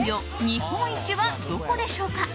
日本一はどこでしょうか？